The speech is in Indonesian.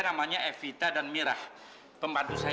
sampai jumpa di video selanjutnya